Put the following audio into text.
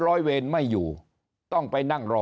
ร้อยเวรไม่อยู่ต้องไปนั่งรอ